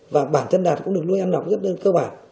và bản thân đạt cũng được nuôi ăn đọc rất cơ bản